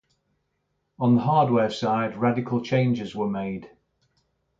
On the hardware side, radical changes were made.